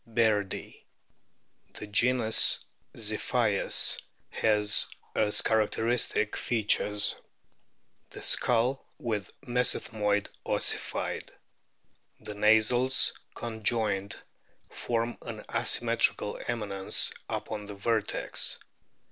bairdi. The genus ZlPHIUS has as characteristic features : the skull with mesethmoid ossified ; the nasals con joined form an asymmetrical eminence upon the vertex.